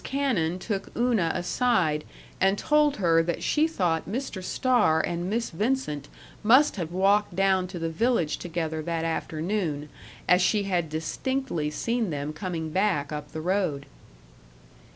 Cannon took Una aside and told her that she thought Mr. Starr and Miss Vincent must have walked down to the village together that afternoon, as she had distinctly seen them coming back up the road.